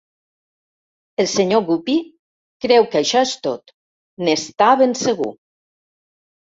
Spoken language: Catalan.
El Sr. Guppy creu que això és tot; n'està ben segur.